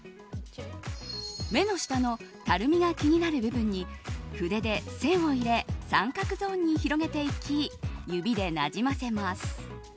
目の下のたるみが気になる部分に、筆で線を入れ三角ゾーンに広げていき指でなじませます。